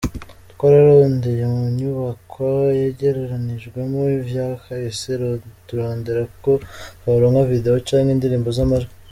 "Twararondeye mu nyubakwa yegeranijwemwo ivya kahise turondera ko tworonka videwo canke indirimbo z'amajwi.